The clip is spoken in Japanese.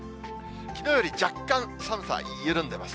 きのうより若干寒さ、緩んでます。